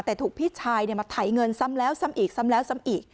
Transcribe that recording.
แต่ถูกพี่ชายมาถ่ายเงินซ้ำแล้วซ้ำอีกซ้ำแล้วซ้ำอีก